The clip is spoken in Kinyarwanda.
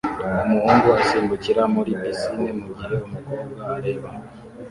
Umuhungu asimbukira muri pisine mugihe umukobwa areba